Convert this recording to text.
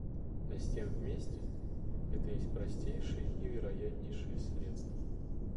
А с тем вместе это есть простейшее и вернейшее средство.